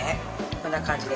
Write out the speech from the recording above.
こんな感じで。